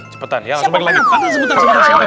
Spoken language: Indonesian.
cepetan ya langsung balik lagi